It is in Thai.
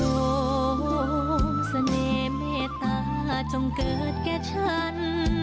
โมเสน่ห์เมตตาจงเกิดแก่ฉัน